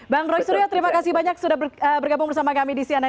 bang roy surya terima kasih banyak sudah bergabung bersama kami di sian